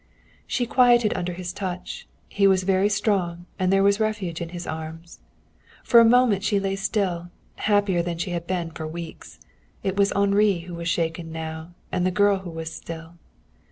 She quieted under his touch. He was very strong, and there was refuge in his arms. For a moment she lay still, happier than she had been for weeks. It was Henri who was shaken now and the girl who was still.